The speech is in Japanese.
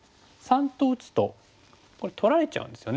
③と打つとこれ取られちゃうんですよね。